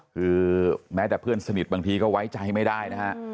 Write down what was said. คือแม้แต่เพื่อนสนิทบางทีก็ไว้ใจไม่ได้นะฮะ